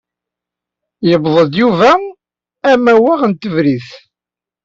Yebded Yuba amawaɣ n tetribt.